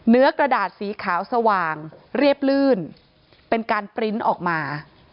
กระดาษสีขาวสว่างเรียบลื่นเป็นการปริ้นต์ออกมา